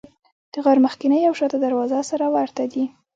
د غار مخکینۍ او شاته دروازه سره ورته دي.